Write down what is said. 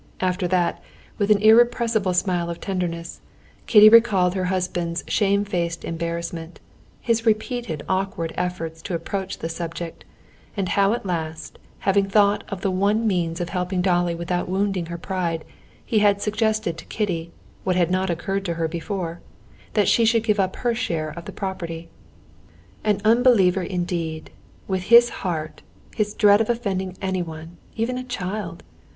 After that, with an irrepressible smile of tenderness, Kitty recalled her husband's shamefaced embarrassment, his repeated awkward efforts to approach the subject, and how at last, having thought of the one means of helping Dolly without wounding her pride, he had suggested to Kitty—what had not occurred to her before—that she should give up her share of the property. "He an unbeliever indeed! With his heart, his dread of offending anyone, even a child!